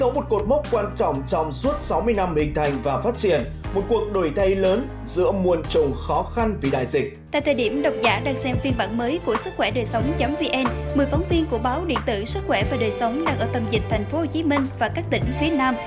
một mươi phóng viên của báo điện tử sức khỏe và đời sống đang ở tầm dịch thành phố hồ chí minh và các tỉnh phía nam